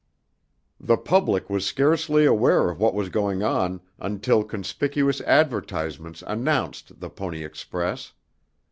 The public was scarcely aware of what was going on until conspicuous advertisements announced the Pony Express.